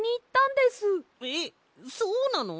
えっそうなの？